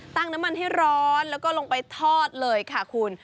ตั้งน้ำมันให้ร้อนแล้วก็ลงไปทอดเลยค่ะคุณ